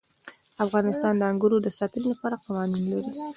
افغانستان د انګورو د ساتنې لپاره قوانین لري.